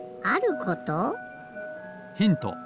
ヒント